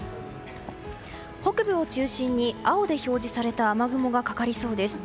北部を中心に青で表示された雨雲がかかりそうです。